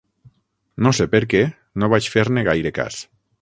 No sé per què, no vaig fer-ne gaire cas.